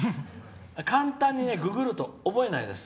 簡単にググると覚えないです。